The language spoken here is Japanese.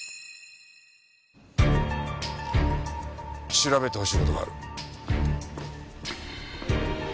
調べてほしい事がある。